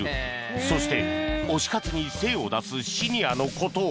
そして推し活に精を出すシニアの事を